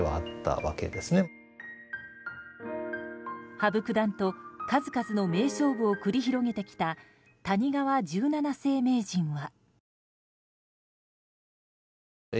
羽生九段と数々の名勝負を繰り広げてきた谷川十七世名人は。